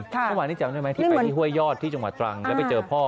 ที่ไปที่ห้วยยอดที่จังหวัดตรังแล้วไปเจอพ่อ